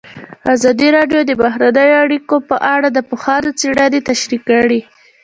ازادي راډیو د بهرنۍ اړیکې په اړه د پوهانو څېړنې تشریح کړې.